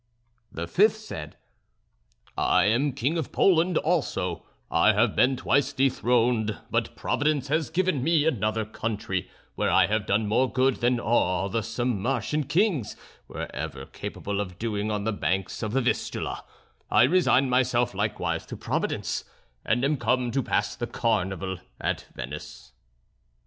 The fifth said: "I am King of Poland also; I have been twice dethroned; but Providence has given me another country, where I have done more good than all the Sarmatian kings were ever capable of doing on the banks of the Vistula; I resign myself likewise to Providence, and am come to pass the Carnival at Venice."